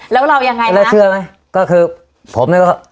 แล้วเรายังไงแล้วเชื่อไหมก็คือผมเนี่ยก็